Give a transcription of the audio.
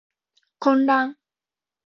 混乱